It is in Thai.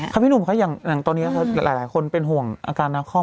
ครับพี่หนุ่มตอนนี้หลายคนเป็นห่วงอาการนาคอม